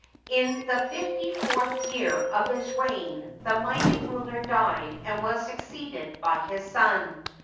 In the fifty fourth year of his reign this mighty ruler died and was succeeded by his son.